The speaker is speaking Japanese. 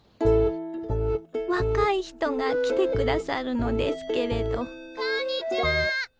若い人が来て下さるのですけれど・こんにちは！